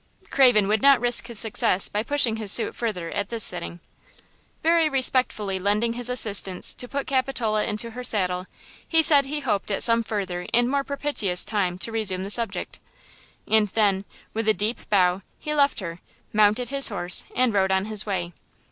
Craven would not risk his success by pushing his suit further at this sitting. Very respectfully lending his assistance to put Capitola into her saddle, he said he hoped at some future and more propitious time to resume the subject. And then, with a deep bow, he left her, mounted his horse and rode on his way.